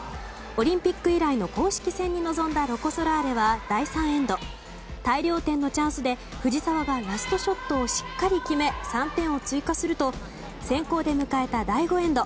オリンピック以来の公式戦に臨んだロコ・ソラーレは第３エンド大量点のチャンスで藤澤がラストショットをしっかり決め３点を追加すると先攻で迎えた第５エンド